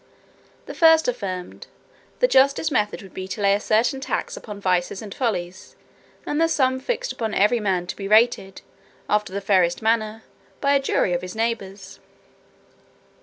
The first affirmed, "the justest method would be, to lay a certain tax upon vices and folly; and the sum fixed upon every man to be rated, after the fairest manner, by a jury of his neighbours."